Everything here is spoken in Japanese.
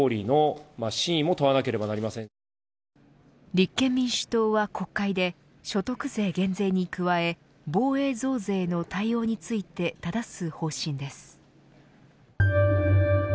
立憲民主党は国会で所得税減税に加え防衛増税の対応についてただす方針です。